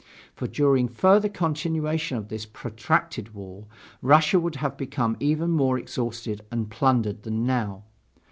For during further continuation of this protracted war, Russia would have become even more exhausted and plundered than now.